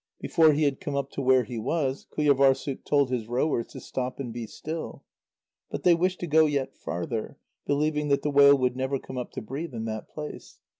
Before he had come up to where he was, Qujâvârssuk told his rowers to stop and be still. But they wished to go yet farther, believing that the whale would never come up to breathe in that place.